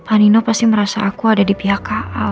aku pasti merasa aku ada di pihak aal